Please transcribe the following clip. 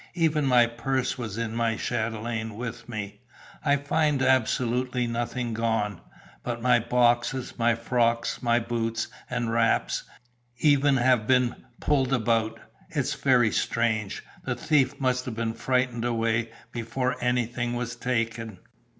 Even my purse was in my chatelaine with me. I find absolutely nothing gone. But my boxes, my frocks, my boots and wraps, even, have been pulled about. It's very strange. The thief must have been frightened away before anything was taken."